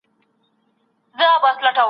نه یې نوم نه يې نښان سته نه یې پاته یادګاره